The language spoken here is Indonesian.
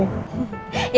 yaudah gue balik ya